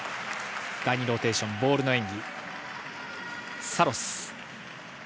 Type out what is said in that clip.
第２ローテーション、ボールの演技、サロス。